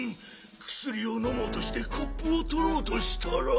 くすりをのもうとしてコップをとろうとしたら。